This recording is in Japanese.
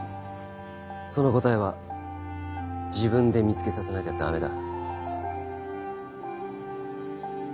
その答えは自分で見つけさせなきゃダメだ。